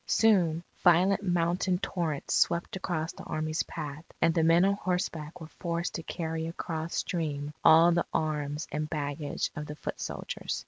Soon, violent mountain torrents swept across the Army's path; and the men on horseback were forced to carry across stream all the arms and baggage of the foot soldiers.